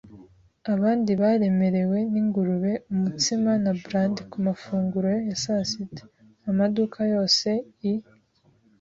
abandi baremerewe ningurube, umutsima, na brandi kumafunguro ya sasita. Amaduka yose, I.